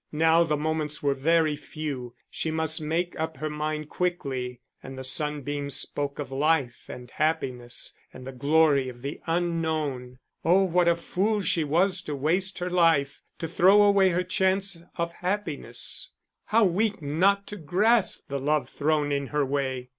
Now the moments were very few, she must make up her mind quickly and the sunbeams spoke of life, and happiness, and the glory of the unknown. Oh, what a fool she was to waste her life, to throw away her chance of happiness how weak not to grasp the love thrown in her way!